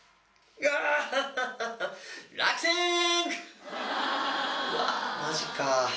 うわマジか。